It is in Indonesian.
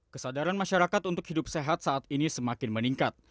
kesadaran masyarakat untuk hidup sehat saat ini semakin meningkat